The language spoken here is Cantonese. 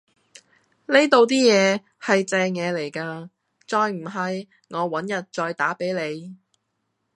呢度啲嘢係正野嚟㗎，再唔係我搵日再打俾你